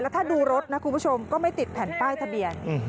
ถ้าดูรถนะคุณผู้ชมก็ไม่ติดแผ่นป้ายทะเบียน